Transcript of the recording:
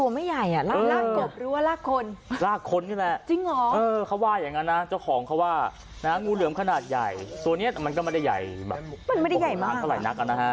มันก็ไม่ได้ใหญ่มากมันไม่ได้ใหญ่มาก